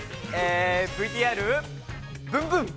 ◆ＶＴＲ、ブンブン！